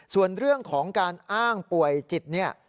ส่วนเรื่องของการอ้างป่วยจิตเนี่ย